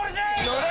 乗れ！